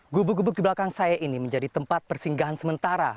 gubuk gubuk di belakang saya ini menjadi tempat persinggahan sementara